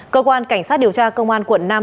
cơ quan cảnh sát điều tra công an quận năm